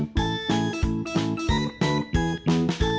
บรรยาที